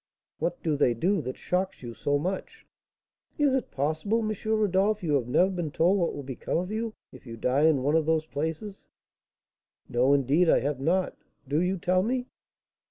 "What do they do that shocks you so much?" "Is it possible, M. Rodolph, you have never been told what will become of you if you die in one of those places?" "No, indeed, I have not; do you tell me."